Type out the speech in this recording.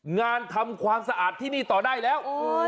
งานทำความสะอาดที่นี่ต่อได้แล้ว